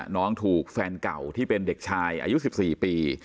น้องถูกแฟนเก่าที่เป็นเด็กชายอายุ๑๔ปี